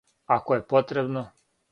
Ако је потребно?